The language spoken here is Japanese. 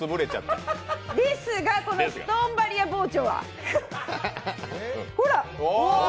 ですが、このストーンバリア包丁は、ほら！